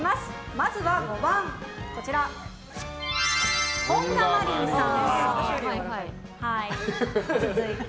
まずは５番本田真凜さん。